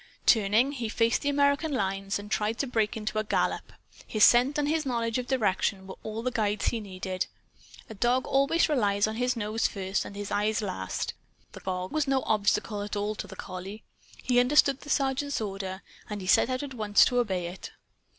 Turning, he faced the American lines and tried to break into a gallop. His scent and his knowledge of direction were all the guides he needed. A dog always relies on his nose first and his eyes last. The fog was no obstacle at all to the collie. He understood the Sergeant's order, and he set out at once to obey it.